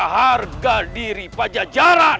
harga diri pajajaran